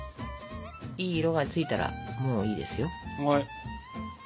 いい色がついたらもういいですよ。